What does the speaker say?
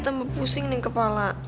tambah pusing deh kepala